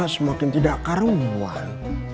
semakin tidak karuan